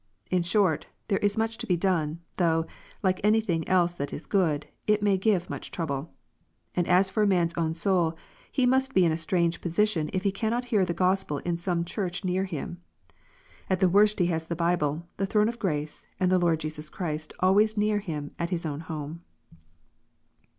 In short, there is much to be done, though, like anything else that is good, it may give much trouble. And as for a man s own soul, he must be in a strange position if he cannot hear the Gospel in some Church near him. At the worst he has the Bible, the throne of grace, and the Lord Jesus Christ always near him at his own home.